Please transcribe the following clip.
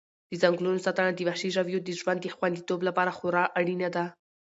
د ځنګلونو ساتنه د وحشي ژویو د ژوند د خوندیتوب لپاره خورا اړینه ده.